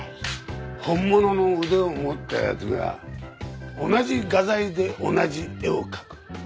本物の腕を持ったやつが同じ画材で同じ絵を描く。